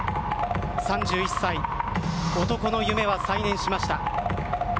３１歳、男の夢は再燃しました。